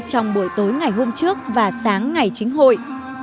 trong buổi tối ngày hôm trước và sáng ngày chính hội